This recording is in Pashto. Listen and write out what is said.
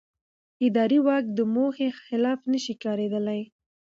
اداري واک د موخې خلاف نه شي کارېدلی.